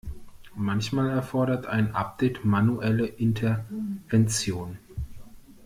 Manchmal erfordert ein Update manuelle Intervention.